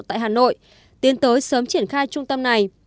tại hà nội tiến tới sớm triển khai trung tâm này